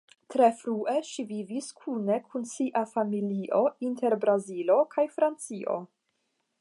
Tre frue, ŝi vivis kune kun sia familio inter Brazilo kaj Francio.